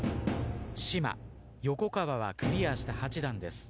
島横川はクリアした８段です。